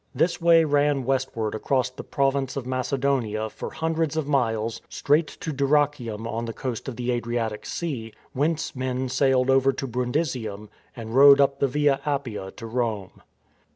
This Way ran westward across the Province of Macedonia for hundreds of miles straight to Dyrrachium on the coast of the Adriatic Sea, whence men sailed over to Brundisium and rode up the Via Appia to Rome.